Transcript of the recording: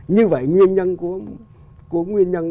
như vậy nguyên nhân của